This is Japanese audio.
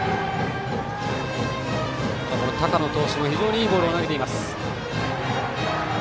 高野投手も非常にいいボールを投げています。